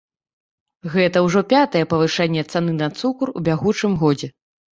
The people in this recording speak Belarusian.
Гэта ўжо пятае павышэнне цаны на цукар у бягучым годзе.